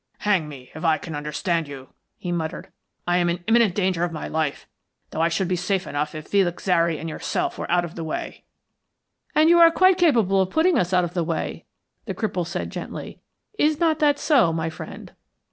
"Hang me, if I can understand you," he muttered. "I am in imminent danger of my life, though I should be safe enough if Felix Zary and yourself were out of the way." "And you are quite capable of putting us out of the way," the cripple said, gently. "Is not that so, my friend?"